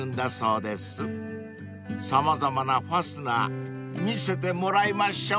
［様々なファスナー見せてもらいましょう］